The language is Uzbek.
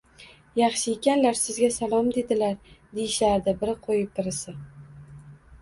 Yaxshiykanlar, sizga salom dedilar, deyishardi biri qo`yib birisi